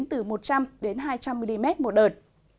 tổng lượng mưa phổ biến từ một trăm linh hai trăm linh mm một đợt